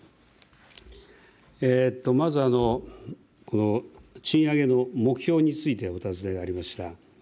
まず賃上げの目標についてお尋ねがありました。